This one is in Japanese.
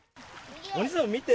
お兄さん、見て。